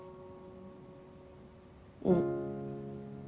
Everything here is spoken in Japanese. うん。